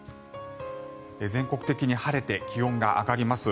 全国的に晴れて気温が上がります。